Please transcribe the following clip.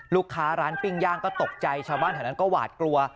ร้านปิ้งย่างก็ตกใจชาวบ้านแถวนั้นก็หวาดกลัว